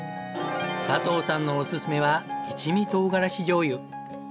佐藤さんのおすすめは一味唐辛子じょうゆ。